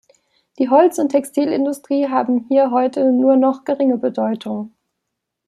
Die Holz- und Textilindustrie haben hier heute nur noch geringe Bedeutung.